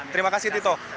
terima kasih tito